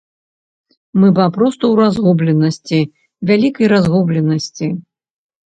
Мы папросту ў разгубленасці, вялікай разгубленасці.